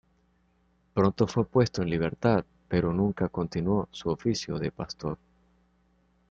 Pronto fue puesto en libertad, pero nunca continuó su oficio de pastor.